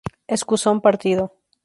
Escusón partido.